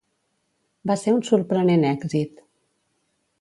Va ser un sorprenent èxit.